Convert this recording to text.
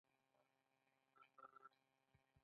ایا پنبه د کار موضوع ګڼل کیدای شي؟